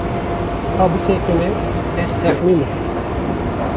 Ka bisekine ez texmîn bikim.